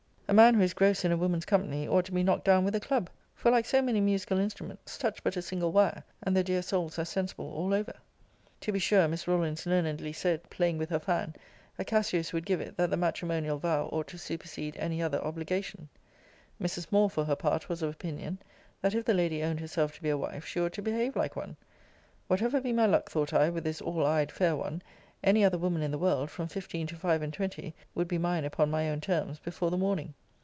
A man who is gross in a woman's company, ought to be knocked down with a club: for, like so many musical instruments, touch but a single wire, and the dear souls are sensible all over. To be sure, Miss Rawlins learnedly said, playing with her fan, a casuist would give it, that the matrimonial vow ought to supercede any other obligation. Mrs. Moore, for her part, was of opinion, that, if the lady owned herself to be a wife, she ought to behave like one. Whatever be my luck, thought I, with this all eyed fair one, any other woman in the world, from fifteen to five and twenty, would be mine upon my own terms before the morning.